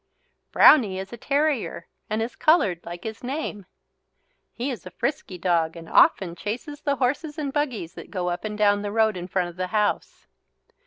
Brownie is a terrier and is coloured like his name. He is a frisky dog and often chases the horses and buggies that go up and down the road in front of the house.